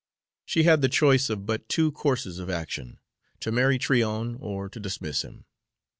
She had the choice of but two courses of action, to marry Tryon or to dismiss him.